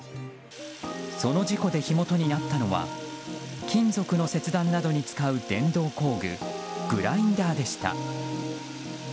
その事故で火元になったのは金属の切断などに使う電動工具、グラインダーでした。